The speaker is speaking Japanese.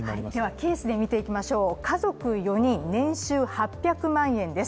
ケースで見ていきましょう、家族４人年収８００万円です。